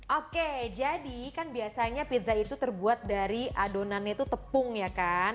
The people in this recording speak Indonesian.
oke jadi kan biasanya pizza itu terbuat dari adonannya itu tepung ya kan